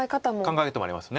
考え方もあります。